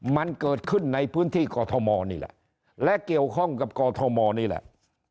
มันเกิดขึ้นในพื้นที่กอทมนี่แหละและเกี่ยวข้องกับกอทมนี่แหละ